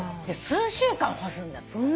で数週間干すんだって。